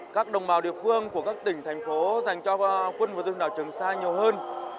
các đồng bào địa phương của các tỉnh thành phố dành cho quân và dân đảo trường sa nhiều hơn